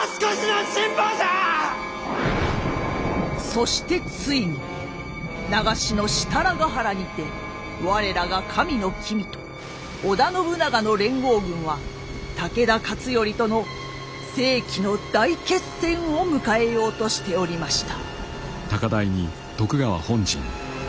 そしてついに長篠設楽原にて我らが神の君と織田信長の連合軍は武田勝頼との世紀の大決戦を迎えようとしておりました。